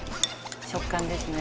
食感ですね。